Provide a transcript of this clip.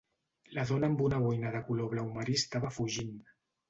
La dona amb una boina de color blau marí estava fugint.